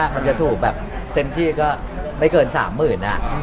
มันจะถูกแบบเต็มที่ก็ไม่เกินสามหมื่นอ่ะ